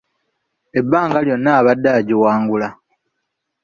Ebbanga lyonna abadde agiwangula.